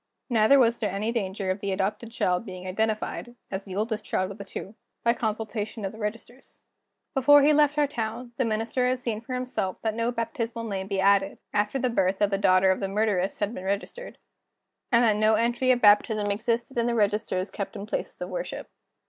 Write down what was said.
Neither was there any danger of the adopted child being identified (as the oldest child of the two) by consultation of the registers. Before he left our town, the Minister had seen for himself that no baptismal name had been added, after the birth of the daughter of the murderess had been registered, and that no entry of baptism existed in the registers kept in places of worship.